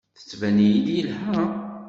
Yettban-iyi-d yelha.